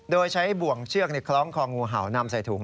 โดยใช้บ่วงเชือกคล้องคองูเห่านำใส่ถุง